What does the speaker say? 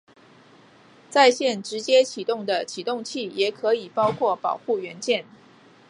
在线直接起动的启动器也可以包括保护元件。